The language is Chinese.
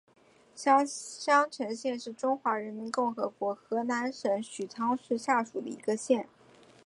襄城县是中华人民共和国河南省许昌市下属的一个县。